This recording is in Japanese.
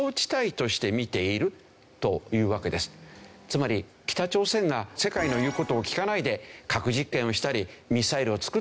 つまり北朝鮮が世界の言う事を聞かないで核実験をしたりミサイルを作ったりという事